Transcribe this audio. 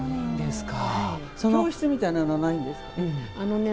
教室みたいなのはないんですか？